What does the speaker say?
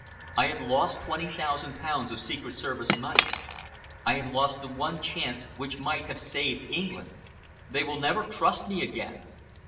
I have lost twenty thousand pounds of Secret Service money; I have lost the one chance which might have saved England. They will never trust me again."